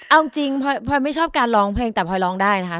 เอาจริงพลอยไม่ชอบการร้องเพลงแต่พลอยร้องได้นะคะ